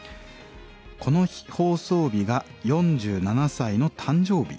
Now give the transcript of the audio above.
「この放送日が４７歳の誕生日。